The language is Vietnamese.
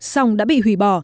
xong đã bị hủy bỏ